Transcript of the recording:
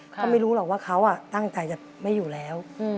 เขาไม่รู้หรอกว่าเขาตั้งใจจะไม่อยู่แล้ว